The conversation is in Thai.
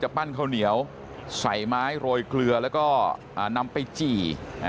ปั้นข้าวเหนียวใส่ไม้โรยเกลือแล้วก็นำไปจี่